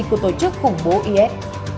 của tổ chức khủng bố is